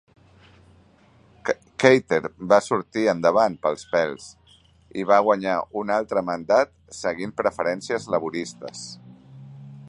Katter va sortir endavant pels pèls i va guanyar un altre mandat seguint preferències laboristes.